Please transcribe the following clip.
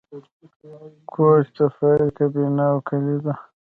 کوچ د فایل کابینه او کلیزه